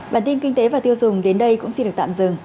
bản tin kinh tế và tiêu dùng đến đây cũng xin được tạm dừng